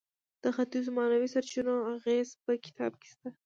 د ختیځو معنوي سرچینو اغیز په کتاب کې شته.